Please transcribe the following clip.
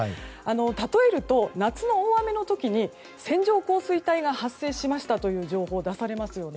例えると、夏の大雨の時に線状降水帯が発生しましたという情報が出されますよね。